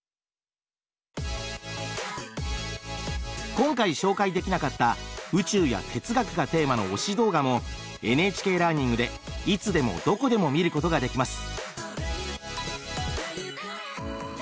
今回紹介できなかった宇宙や哲学がテーマの推し動画もＮＨＫラーニングでいつでもどこでも見ることができます。